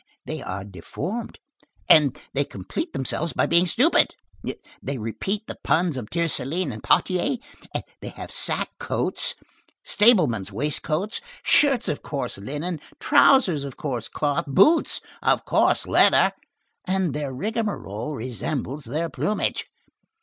They are deformed, and they complete themselves by being stupid; they repeat the puns of Tiercelin and Potier, they have sack coats, stablemen's waistcoats, shirts of coarse linen, trousers of coarse cloth, boots of coarse leather, and their rigmarole resembles their plumage.